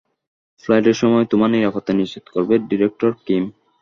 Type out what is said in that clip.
ফ্লাইটের সময় তোমার নিরাপত্তা নিশ্চিত করবে ডিরেক্টর কিম।